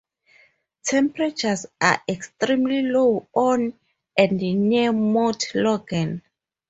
Temperatures are extremely low on and near Mount Logan.